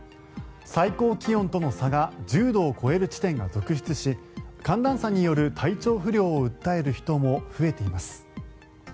最高気温との差が１０度を超える地点が続出し寒暖差による体調不良を訴える人も増えています。